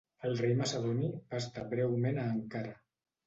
El rei macedoni va estar breument a Ankara.